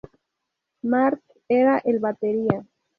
Mark era el batería.